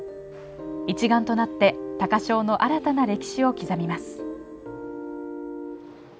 一丸となって高商の新たな歴史を刻みます。